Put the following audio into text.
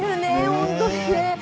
本当にね。